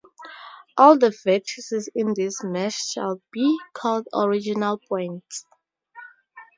All the vertices in this mesh shall be called original points.